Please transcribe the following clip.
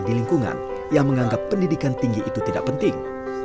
di lingkungan yang menganggap pendidikan tinggi itu tidak penting